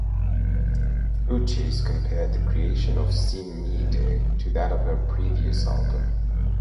Uchis compared the creation of "Sin Miedo" to that of her previous album.